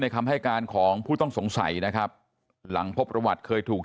คำให้การของผู้ต้องสงสัยนะครับหลังพบประวัติเคยถูก